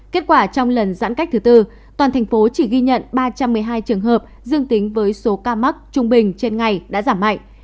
kết quả trong lần giãn cách thứ tư toàn thành phố chỉ ghi nhận ba trăm một mươi hai trường hợp dương tính với số ca mắc trung bình trên ngày đã giảm mạnh